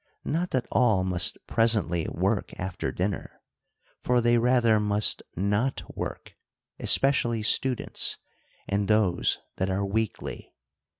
Not that all must pres ently work after dinner. For they rather must not work, especially students, and those that are weakly.